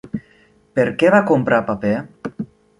Per què va comprar paper?